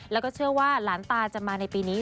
แล้วก็เชื่อว่าหลานตาจะมาในปีนี้